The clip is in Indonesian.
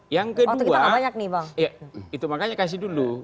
yang kedua itu makanya kasih dulu